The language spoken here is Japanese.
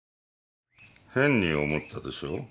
変に思ったでしょ？